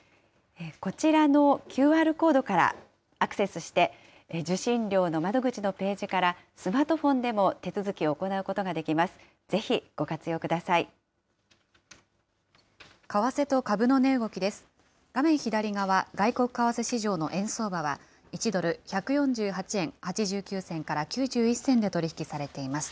こちらのＱＲコードからアクセスして、受信料の窓口のページからスマートフォンでも手続きを行うことができます。